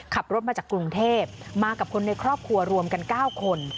ขับรถมาจากกรุงเทพมากับคนในครอบครัวรวมกัน๙คน